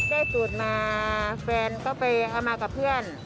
ได้สูตรมาแฟนก็ไปเอามากับเพื่อน